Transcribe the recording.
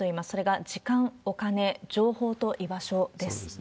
それが時間、お金、情報と居場所です。